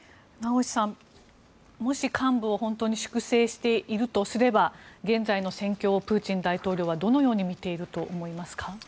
名越さん、もし幹部を本当に粛清しているとすれば現在の戦況をプーチン大統領はどのように見ていると思いますか。